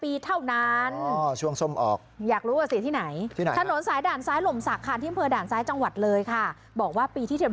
พี่เลือกส้มนานานาเนี่ย